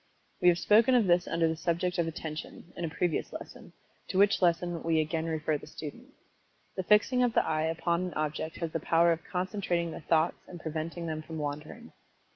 We have spoken of this under the subject of Attention, in a previous lesson, to which lesson we again refer the student. The fixing of the eye upon an object has the power of concentrating the thoughts and preventing them from wandering.